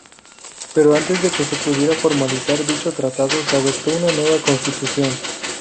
Pero antes de que se pudiera formalizar dicho tratado se adoptó una nueva constitución.